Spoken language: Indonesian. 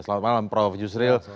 selamat malam prof yusril